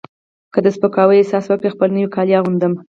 که د سپکاوي احساس وکړم خپل نوي کالي اغوندم.